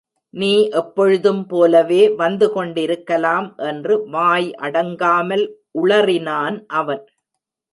நீ எப்பொழுதும் போலவே வந்து கொண்டிருக்கலாம் என்று வாய் அடங்காமல் உளறினான் அவன்.